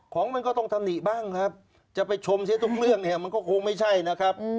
ของมันก็ต้องตำหนิบ้างครับจะไปชมเสียทุกเรื่องเนี่ยมันก็คงไม่ใช่นะครับ